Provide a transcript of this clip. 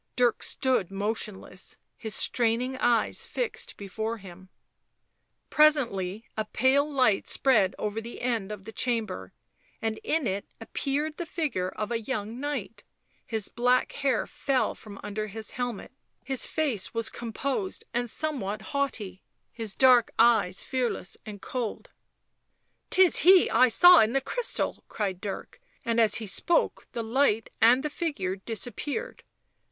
Dirk stood motionless, his straining eyes fixed before him. Presently a pale light spread over the end of the chamber, and in it appeared the figure of a young knight; his black hair fell from under his helmet, his Digitized by UNIVERSITY OF MICHIGAN Original from UNIVERSITY OF MICHIGAN 94 < BLACK MAGIC face was composed and somewhat haughty, his dark eyes fearless and cold. " 'Tis he I saw in the crystal !" cried Dirk, and as he spoke the light and the figure disappeared.